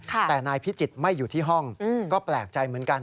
แต่นายพิจิตรไม่อยู่ที่ห้องก็แปลกใจเหมือนกัน